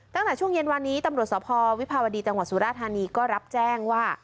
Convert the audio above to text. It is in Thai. ตั้งแต่ช่วงเย็นวันนี้ตำรวจสภวิภาวดีจังหวัดสุราธานีก็รับแจ้งว่า